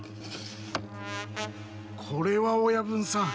これは親分さん。